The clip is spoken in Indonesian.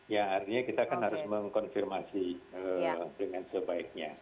ya artinya kita kan harus mengkonfirmasi dengan sebaiknya